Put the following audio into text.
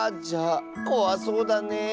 じゃあこわそうだね。